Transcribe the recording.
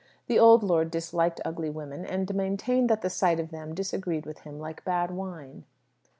The old lord disliked ugly women, and maintained that the sight of them disagreed with him like bad wine.